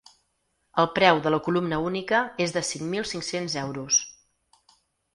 El preu de la columna única és de cinc mil cinc-cents euros.